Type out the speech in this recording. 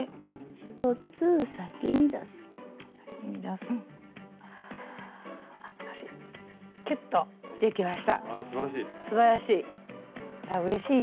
あすばらしい。